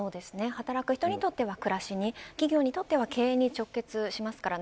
働く人にとっては暮らしに企業にとっては経営に直結しますから。